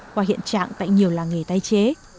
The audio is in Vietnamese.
qua hiện trạng tại nhiều làng nghề tái chế